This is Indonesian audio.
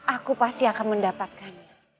aku pasti akan mendapatkan